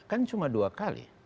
kan cuma dua kali